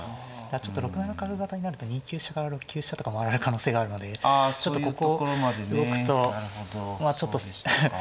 ちょっと６七角型になると２九飛車から６九飛車とか回られる可能性があるのでちょっとここ動くとまあちょっと。